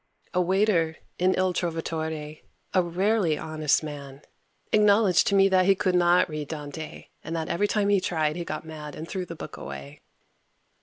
A waiter, in Il Trovatore, a rarely honest man, acknowledged to me that he could not read Dante, and that every time he tried he got mad and threw the book away.